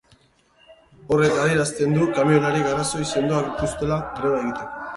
Horrek adierazten du kamioilariek arrazoi sendoak dituztela greba egiteko.